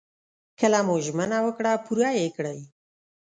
کله مو ژمنه وکړه پوره يې کړئ.